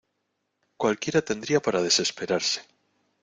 ¡ cualquiera tendría para desesperarse!